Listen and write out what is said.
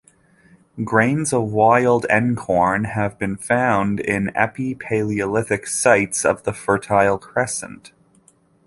Grains of wild einkorn have been found in Epi-Paleolithic sites of the Fertile Crescent.